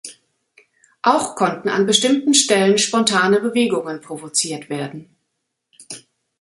Auch konnten an bestimmten Stellen spontane Bewegungen provoziert werden.